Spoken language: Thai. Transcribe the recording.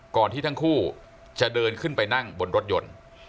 ที่ทั้งคู่จะเดินขึ้นไปนั่งบนรถยนต์